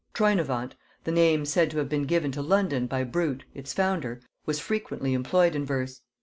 Troynovant, the name said to have been given to London by Brute its founder, was frequently employed in verse.